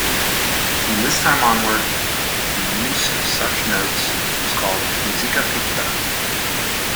From this time onward, the use of such notes was called musica ficta.